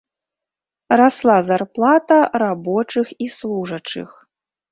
Расла зарплата рабочых і служачых.